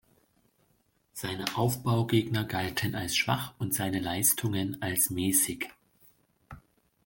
Seine Aufbaugegner galten als schwach und seine Leistungen als mäßig.